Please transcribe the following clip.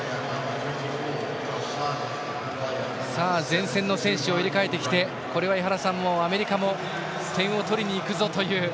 前線の選手を入れ替えてきてこれは井原さん、アメリカも点を取りにいくぞという。